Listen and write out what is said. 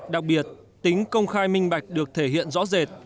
đặc biệt tính công khai minh bạch được thể hiện rõ rệt